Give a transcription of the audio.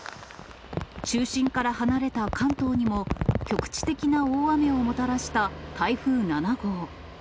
中心から離れた関東にも、局地的な大雨をもたらした台風７号。